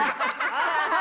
アハハハ！